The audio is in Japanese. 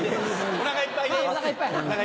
おなかいっぱいな。